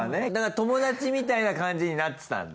友達みたいな感じになってたんだ？